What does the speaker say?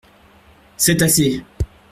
C’est assez.